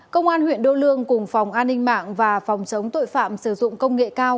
công an huyện đô lương cùng phòng an ninh mạng và phòng chống tội phạm sử dụng công nghệ cao